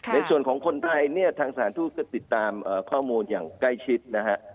ในส่วนของคนไทยเนี่ยทางสถานทูตก็ติดตามข้อมูลอย่างใกล้ชิดนะฮะ